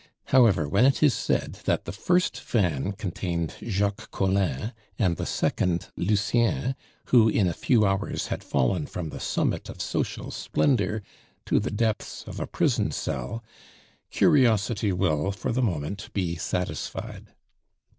However, when it is said that the first van contained Jacques Collin and the second Lucien, who in a few hours had fallen from the summit of social splendor to the depths of a prison cell, curiosity will for the moment be satisfied.